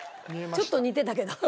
ちょっと似てたけど。